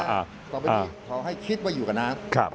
ต่อไปนี้ขอให้คิดว่าอยู่กับน้ำ